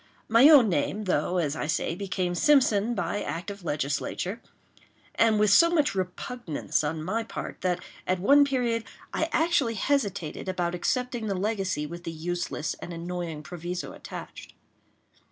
My own name, though, as I say, became Simpson, by act of Legislature, and with so much repugnance on my part, that, at one period, I actually hesitated about accepting the legacy with the useless and annoying proviso attached.